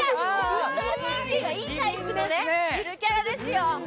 運動神経がいいタイプのゆるキャラですよ。